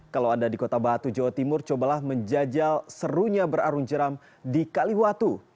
kalau anda di kota batu jawa timur cobalah menjajal serunya berarung jeram di kaliwatu